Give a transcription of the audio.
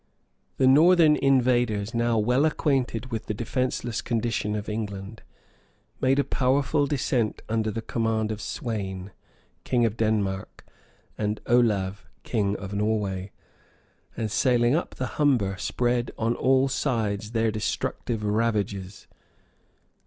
{993.} The northern invaders, now well acquainted with the defenceless condition of England, made a powerful descent under the command of Sweyn, king of Denmark, and Olave king of Norway; and sailing up the Humber, spread on all sides their destructive ravages.